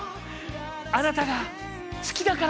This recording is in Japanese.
あなたが好きだから！